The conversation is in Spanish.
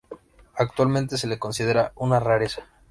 Actualmente se le considera una "rareza".